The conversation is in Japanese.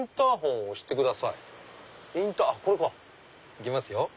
いきますよ。